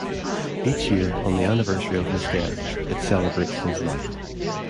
Each year on the anniversary of his death, it celebrates his life.